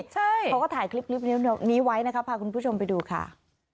เขาก็ถ่ายคลิปนี้ไว้นะครับพาคุณผู้ชมไปดูค่ะ